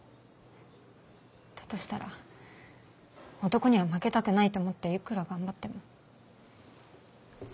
だとしたら男には負けたくないと思っていくら頑張っても。